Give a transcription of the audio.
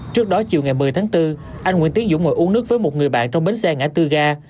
trước đó chiều ngày một mươi tháng bốn anh nguyễn tiến dũng ngồi uống nước với một người bạn trong bến xe ngã tư ga